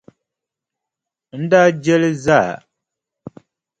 N daa je li zaa!